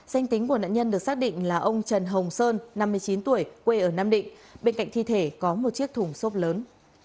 danh tính của nạn nhân được xác định là ông trần hồng sơn năm mươi chín tuổi quê ở nam định bên cạnh thi thể có một chiếc thùng xốp lớn